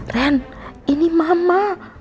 ren ini mama